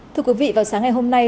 thưa quý vị vào sáng ngày hôm nay